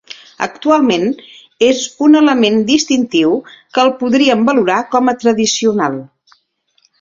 Actualment, és un element distintiu que el podríem valorar com a tradicional.